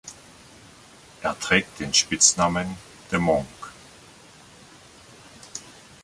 Er trägt den Spitznamen "The Monk".